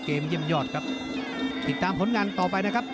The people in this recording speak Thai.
เกมเยี่ยมยอดครับ